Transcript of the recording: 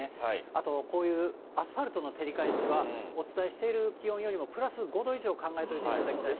あと、こういうアスファルトの照り返しは、お伝えしている気温よりも、プラス５度以上考えておいていただきたい。